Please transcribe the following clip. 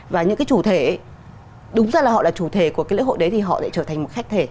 và những cái chủ thể đúng ra là họ là chủ thể của cái lễ hội đấy thì họ sẽ trở thành một khách thể